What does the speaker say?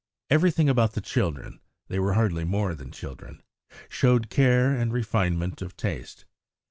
Everything about the children they were hardly more than children showed care and refinement of taste.